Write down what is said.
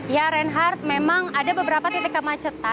ya reinhardt memang ada beberapa titik kemacetan